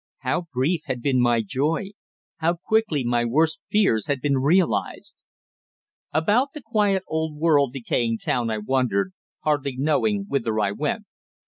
How brief had been my joy; how quickly my worst fears had been realized. About the quiet, old world decaying town I wandered, hardly knowing whither I went.